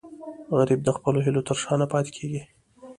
غریب د خپلو هیلو تر شا نه پاتې کېږي